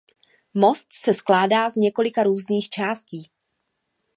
Most se skládá z několika různých částí.